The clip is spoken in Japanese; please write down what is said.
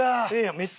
めっちゃ。